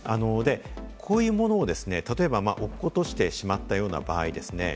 こういうものを例えば、落っことしてしまったような場合ですね。